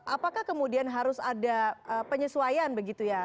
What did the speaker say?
apakah kemudian harus ada penyesuaian begitu ya